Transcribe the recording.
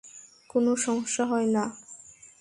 কোন সমস্যা হয় না।